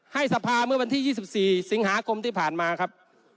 ให้ทราพาเมื่อบันที่ยี่สิบสี่สิงหากรมที่ผ่านมาครับ